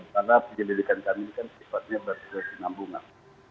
karena penyelidikan kami kan sifatnya berkesinambungan